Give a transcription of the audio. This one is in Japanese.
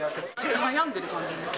悩んでる感じですか？